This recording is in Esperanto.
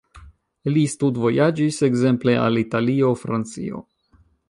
Li studvojaĝis ekzemple al Italio, Francio.